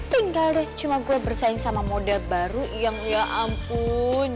tinggal deh cuma gue bersaing sama model baru yang ya ampun